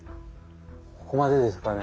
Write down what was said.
ここまでですかね。